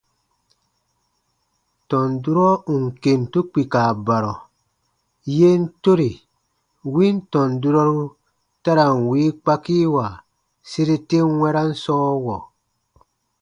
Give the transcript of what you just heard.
Tɔn durɔ ù n kentu kpika barɔ, yen tore win tɔn durɔru ta ra n wii kpakiiwa sere ten wɛ̃ran sɔɔwɔ.